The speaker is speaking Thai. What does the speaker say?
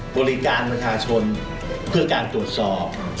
บริการประชาชนเพื่อการตรวจสอบ